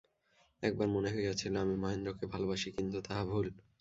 একবার মনে হইয়াছিল, আমি মহেন্দ্রকে ভালোবাসি, কিন্তু তাহা ভুল।